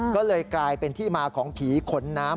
ก็เลยกลายเป็นที่มาของผีขนน้ำ